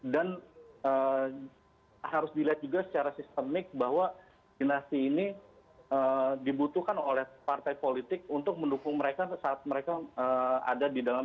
dan harus dilihat juga secara sistemik bahwa dinasti ini dibutuhkan oleh partai politik untuk mendukung mereka saat mereka ada di adinasi